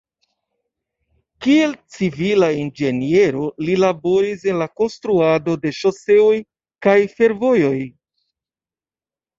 Kiel civila inĝeniero li laboris en la konstruado de ŝoseoj kaj fervojoj.